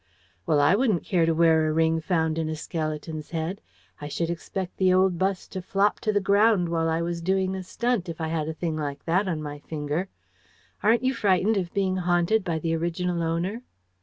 "Well, I wouldn't care to wear a ring found in a skeleton's head. I should expect the old bus to flop to the ground while I was doing a stunt, if I had a thing like that on my finger. Aren't you frightened of being haunted by the original owner?"